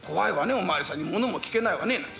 お巡りさんにものも聞けないわねなんて。